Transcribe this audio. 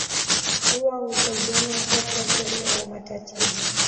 Huwa husaidiana wakati wa sherehe au matatizo